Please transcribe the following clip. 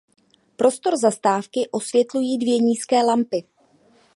Prostor zastávky osvětlují dvě nízké lampy.